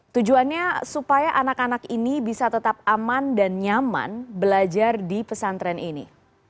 tujuannya supaya anak anak ini bisa tetap aman dan nyaman belajar di pesantren ini